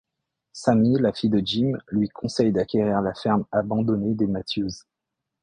Sammy, la fille de Jim, lui conseille d'acquérir la ferme abandonnée des Matthews.